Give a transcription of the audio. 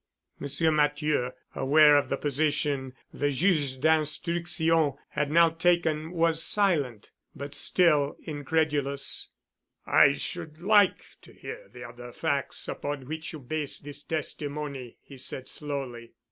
Monsieur Matthieu, aware of the position the Juge d'Instruction had now taken, was silent, but still incredulous. "I should like to hear the other facts upon which you base this testimony," he said slowly.